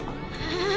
ああ。